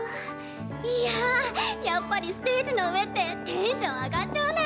いややっぱりステージの上ってテンション上がっちゃうね！